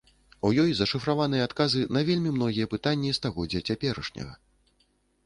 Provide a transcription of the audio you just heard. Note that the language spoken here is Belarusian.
У ёй зашыфраваныя адказы на вельмі многія пытанні стагоддзя цяперашняга.